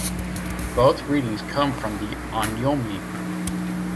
Both readings come from the on'yomi.